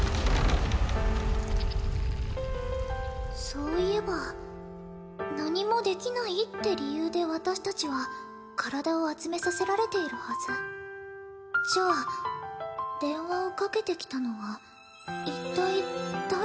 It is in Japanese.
そういえば「何もできない」って理由で私達は体を集めさせられているはずじゃあ電話をかけてきたのは一体誰？